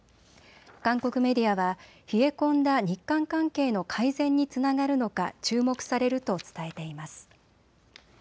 韓国メディアは冷え込んだ日韓関係の改善につながるのか注目されると伝えています。